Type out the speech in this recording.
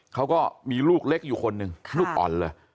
เขาก็มีลูกเล็กอยู่คนหนึ่งลูกอ่อนเลย